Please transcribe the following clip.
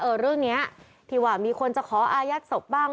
เออเรื่องนี้ทีวาบมีคนจะขออายักษ์ศพบ้าง